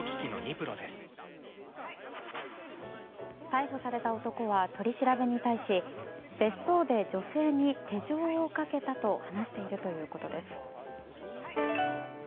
逮捕された男は取り調べに対し別荘で女性に手錠をかけたと話しているということです。